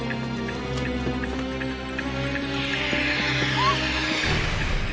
あっ！